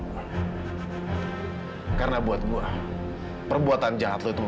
untuk untuk penyiaran dengan siang